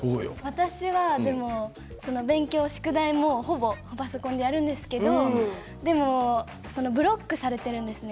私は勉強も宿題もほぼパソコンでやるんですけれどでもブロックされているんですね